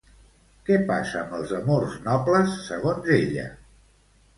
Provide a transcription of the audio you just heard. Què passa amb els amors nobles, segons ella?